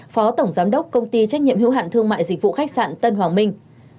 phó tổng giám đốc công ty trách nhiệm hữu hạn thương mại dịch vụ khách sạn tân hoàng minh